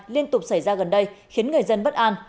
liên tục xảy ra gần đây khiến người dân bất an